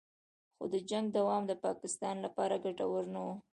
خو د جنګ دوام د پاکستان لپاره ګټور نه و